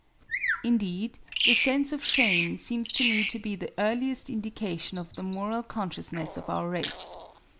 Indeed, the sense of shame seems to me to be the earliest indication of the moral consciousness of our race.